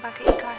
sampai di balai